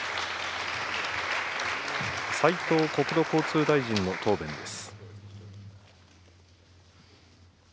斉藤国土交通大臣の答弁です。